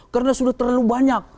karena sudah terlalu banyak